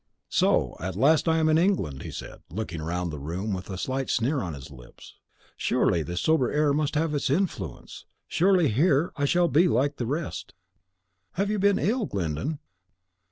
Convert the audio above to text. "So at last I am in England," he said, looking round the room, with a slight sneer on his lips; "surely this sober air must have its influence; surely here I shall be like the rest." "Have you been ill, Glyndon?"